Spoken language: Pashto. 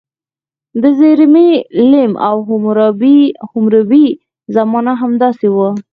د زیمري لیم او حموربي زمانه همداسې وه.